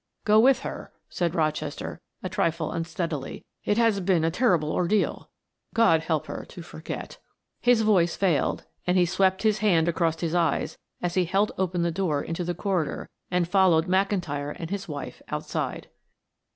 "Go with her," said Rochester, a trifle unsteadily. "It has been a terrible ordeal; God help her to forget!" His voice failed and he swept his hand across his eyes as he held open the door into the corridor and followed McIntyre and his wife outside.